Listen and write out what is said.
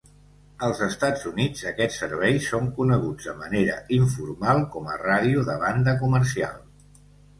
Als Estats Units, aquests serveis són coneguts de manera informal com a ràdio de banda comercial.